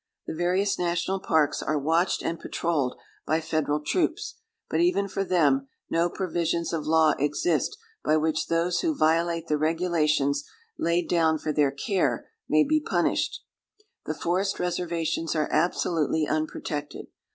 The various national parks are watched and patrolled by Federal troops, but even for them no provisions of law exist by which those who violate the regulations laid down for their care may be punished. The forest reservations are absolutely unprotected.